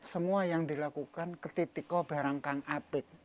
semua yang dilakukan ketitiko berangkang apik